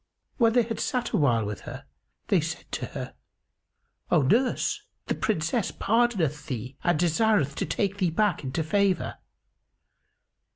When they had sat awhile with her, they said to her, "O nurse, the Princess pardoneth thee and desireth to take thee back into favour."